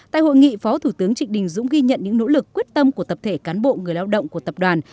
tại hội nghị phó thủ tướng trịnh đình dũng ghi nhận những nỗ lực quyết tâm của tập thể cán bộ người lao động của tập đoàn